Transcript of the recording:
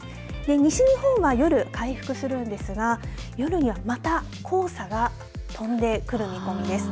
西日本は夜、回復するんですが夜には、また黄砂が飛んでくる見込みです。